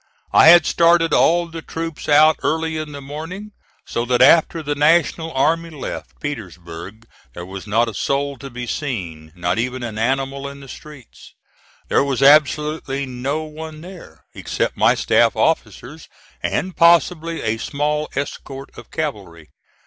I had started all the troops out early in the morning, so that after the National army left Petersburg there was not a soul to be seen, not even an animal in the streets. There was absolutely no one there, except my staff officers and, possibly, a small escort of cavalry.